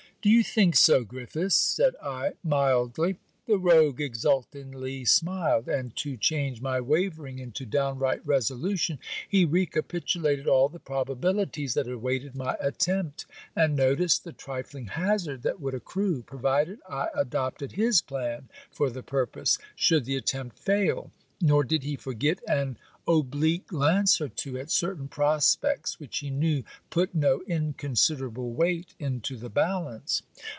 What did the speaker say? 'Do you think so, Griffiths?' said I mildly. The rogue exultingly smiled; and, to change my wavering into downright resolution, he recapitulated all the probabilities that awaited my attempt, and noticed the trifling hazard that would accrue (provided I adopted his plan for the purpose), should the attempt fail: nor did he forget an oblique glance or two at certain prospects which he knew put no inconsiderable weight into the balance.